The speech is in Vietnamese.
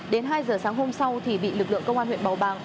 đến hai giờ sáng hôm sau thì bị lực lượng công an huyện bầu bàng